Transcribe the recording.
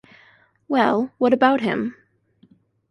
Well, what about him?